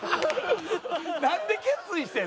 なんで決意してん？